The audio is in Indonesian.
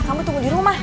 kamu tunggu di rumah